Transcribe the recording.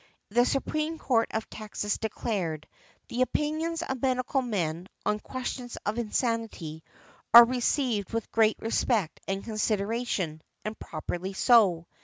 The Supreme Court of Texas declared, "The opinions of medical men (on questions of insanity) are received with great respect and consideration, and properly so."